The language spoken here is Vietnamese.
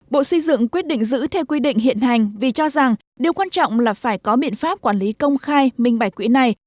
bộ xây dựng quyết định giữ theo quy định hiện hành vì cho rằng điều quan trọng là phải có biện pháp quản lý công khai minh bài quỹ này